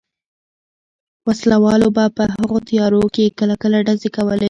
وسله والو به په هغو تیارو کې کله کله ډزې کولې.